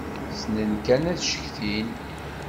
Ssnen kan ad ccetkin.